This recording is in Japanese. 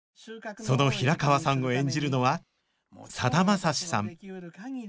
その平川さんを演じるのはさだまさしさん